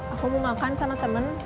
aku mau makan sama temen